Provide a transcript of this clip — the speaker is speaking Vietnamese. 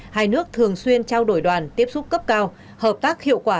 hai nước thường xuyên trao đổi đoàn tiếp xúc cấp cao hợp tác hiệu quả